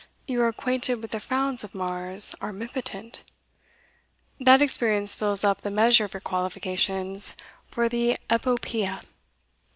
you are acquainted with the frowns of Mars armipotent? That experience fills up the measure of your qualifications for the epopea!